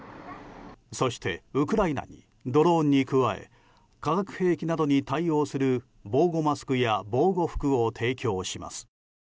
そして、ウクライナにドローンに加え化学兵器などに対応する防護マスクや防護服を提供します。